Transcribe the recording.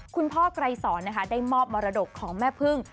คุณพ่อไกรสรได้มอบมรดกของแม่พึ่ง